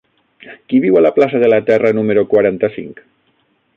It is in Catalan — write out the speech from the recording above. Qui viu a la plaça de la Terra número quaranta-cinc?